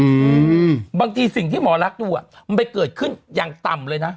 อืมบางทีสิ่งที่หมอลักษณ์ดูอ่ะมันไปเกิดขึ้นอย่างต่ำเลยนะ